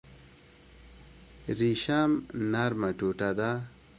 ریشم نرمه ټوټه ده